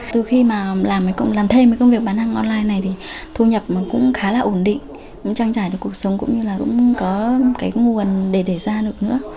từ khi mà làm thêm với công việc bán hàng online này thì thu nhập cũng khá là ổn định trang trải được cuộc sống cũng như là cũng có cái nguồn để ra được nữa